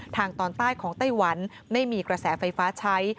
ทางตอนใต้ของไต้หวันไม่มีกระแสไฟฟ้าใช้